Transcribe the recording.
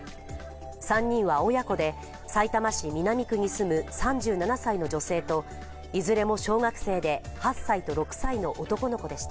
３人は親子で、さいたま市南区に住む３７歳の女性といずれも小学生で８歳と６歳の男の子でした。